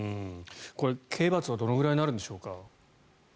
これ、刑罰はどのぐらいになるんでしょうか？